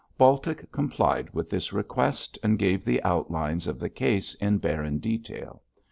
Baltic complied with this request and gave the outlines of the case in barren detail.